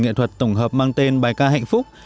nghệ thuật tổng hợp mang tên bài ca hạnh phúc